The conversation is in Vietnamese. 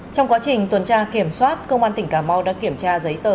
trong quá trình tuần tra kiểm soát công an tỉnh cà mau đã kiểm tra giấy tờ